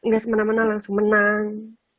gak semena mena langsung menang